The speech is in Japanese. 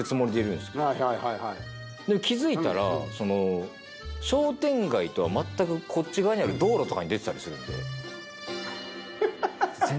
気付いたら商店街とはまったくこっち側にある道路とかに出てたりするんで。